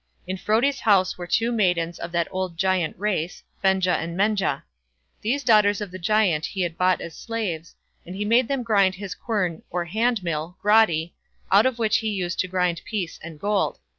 In Frodi's house were two maidens of that old giant race, Fenja and Menja. These daughters of the giant he had bought as slaves, and he made them grind his quern or hand mill, Grotti, out of which he used to grind peace and gold.